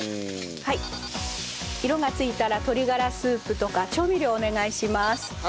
はい色が付いたら鶏がらスープとか調味料お願いします。